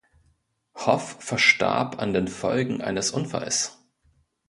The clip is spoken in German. Hoff verstarb an den Folgen eines Unfalls.